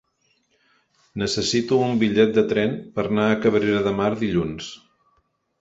Necessito un bitllet de tren per anar a Cabrera de Mar dilluns.